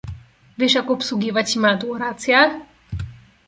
Wiesz, jak obsługiwać imadło, racja?